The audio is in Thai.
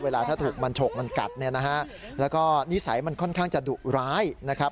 เวลาถ้าถูกมันฉกมันกัดเนี่ยนะฮะแล้วก็นิสัยมันค่อนข้างจะดุร้ายนะครับ